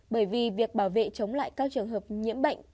bởi vì việc bảo vệ chống lại các trường hợp nhiễm bệnh